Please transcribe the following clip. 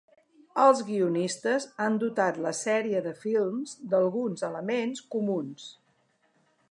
Els guionistes han dotat la sèrie de films d'alguns elements comuns.